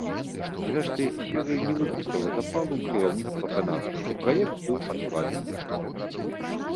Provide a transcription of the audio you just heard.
Зрэшты, серыя не выклікала запалу ў кіраўніцтва канала, і праект быў адкладзены.